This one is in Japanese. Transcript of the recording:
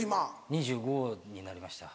２５になりました。